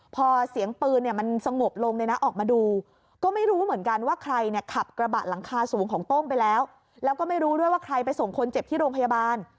พอเสียงปืนเนี่ยมันสงบลงเนี่ยนะออกมาดูก็ไม่รู้เหมือนกันว่าใครเนี่ยขับกระบะหลังคาสูงของโต้งไปแล้วแล้วก็ไม่รู้ด้วยว่าใครไปส่งคนเจ็บที่โรงพยาบาล